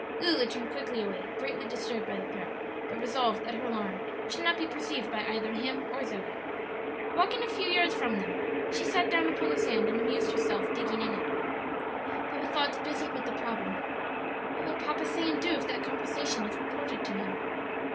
Lulu turned quickly away, greatly disturbed by the threat, but resolved that her alarm should not be perceived by either him or Zoe. Walking a few yards from them, she sat down upon the sand and amused herself digging in it, but with thoughts busied with the problem, "What will papa say and do if that conversation is reported to him?"